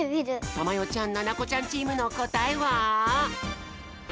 たまよちゃんななこちゃんチームのこたえは？